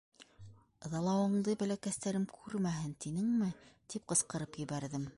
Ыҙалауыңды бәләкәстәрем күрмәһен, тинеңме? — тип ҡысҡырып ебәрҙем.